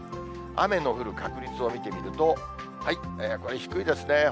雨の降る確率を見てみると、これ、低いですね。